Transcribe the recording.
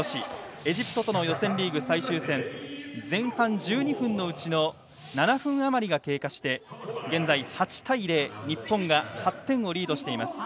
エジプトとの予選リーグ最終戦前半１２分のうち７分あまり経過して現在８対０と日本が８点をリード。